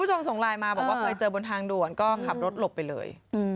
ส่งไลน์มาบอกว่าเคยเจอบนทางด่วนก็ขับรถหลบไปเลย